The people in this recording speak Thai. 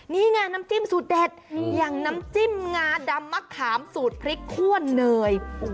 นี่ไงน้ำจิ้มสูตรเด็ดอย่างน้ำจิ้มงาดำมะขามสูตรพริกคั่วเนย